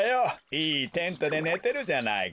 いいテントでねてるじゃないか。